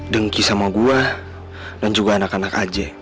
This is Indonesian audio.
dengki sama gue dan juga anak anak aja